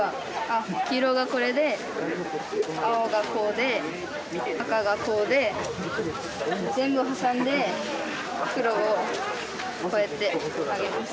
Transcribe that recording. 黄色がこれで青がこうで赤がこうで全部挟んで黒をこうやって上げます。